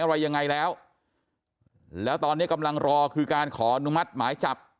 อะไรยังไงแล้วแล้วตอนนี้กำลังรอคือการขออนุมัติหมายจับ